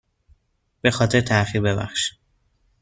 به خاطر تاخیر ببخشید.